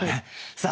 さあ